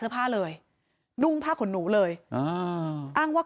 มีชายแปลกหน้า๓คนผ่านมาทำทีเป็นช่วยค่างทาง